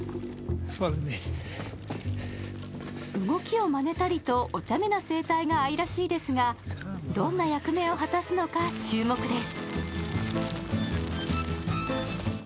動きをまねたりと、おちゃめな生態が愛らしいですがどんな役目を果たすのか注目です。